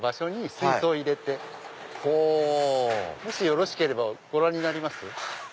よろしければご覧になります？